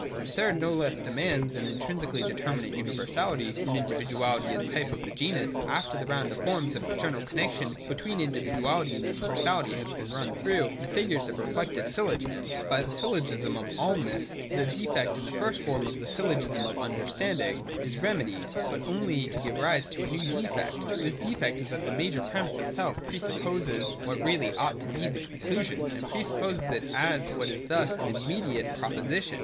But the third no less demands an intrinsically determinate Universahty, or an individuality as type of the genus, after the round of the forms of external connexion between individuality and universality has been run through in the figures of the Reflective Syllogism. igo.J SYLLOGISMS OF REFLECTION. 325 By the Syllogism of Allness the defect in the first form of the Syllogism of Understanding, noted in § 184, is remedied, but only to give rise to a new defect. This defect is that the major premissitself pre supposes what really ought to be the conclusion, and pre supposes it as what is thus an ' immediate ' proposition.